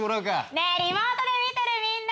ねぇリモートで見てるみんな！